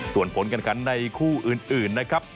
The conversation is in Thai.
ส่วนผลการขันในคู่อื่นนะครับ